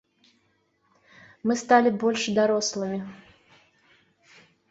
Мы сталі больш дарослымі.